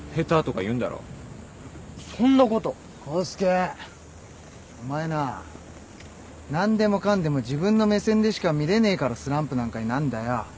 康介お前なあ何でもかんでも自分の目線でしか見れねえからスランプなんかになんだよ。